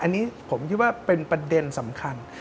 อันนี้ผมคิดว่าเป็นประเด็นสำคัญ